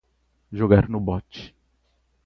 Jogar no bot